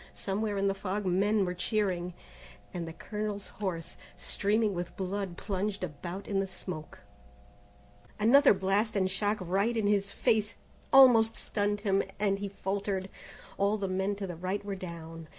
Somewhere in the fog men were cheering, and the colonel's horse, streaming with blood plunged about in the smoke. Another blast and shock, right in his face, almost stunned him, and he faltered. All the men to the right were down.